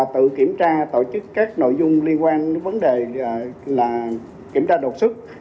tự kiểm tra tổ chức các nội dung liên quan vấn đề kiểm tra độc xuất